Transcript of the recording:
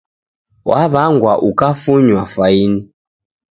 W'aw'angwa ukafunywa faini